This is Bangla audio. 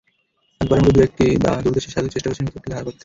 আকবরের মতো দু-এক দূরদর্শী শাসক চেষ্টা করেছেন ভিন্ন একটা ধারা গড়তে।